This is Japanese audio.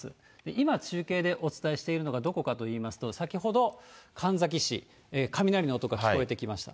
今、中継でお伝えしているのがどこかといいますと、先ほど神埼市、雷の音が聞こえてきました。